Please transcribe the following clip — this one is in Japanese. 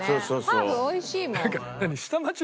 ハーフおいしいもん。